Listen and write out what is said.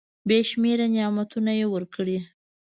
بي شمیره نعمتونه یې ورکړي .